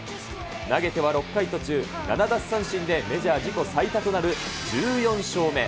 投げては６回途中、７奪三振でメジャー自己最多となる１４勝目。